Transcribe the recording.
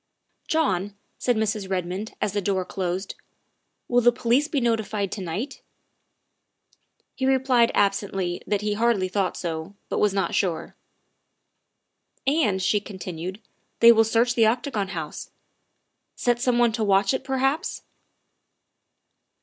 '' "John," said Mrs. Redmond as the door closed, " will the police be notified to night?" He replied absently that he hardly thought so, but was not sure. "And," she continued, " they will search the Octa gon House set some one to watch it, perhaps